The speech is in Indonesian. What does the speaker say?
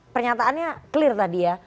pernyataannya clear tadi ya